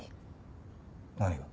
何が？